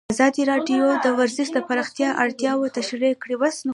ازادي راډیو د ورزش د پراختیا اړتیاوې تشریح کړي.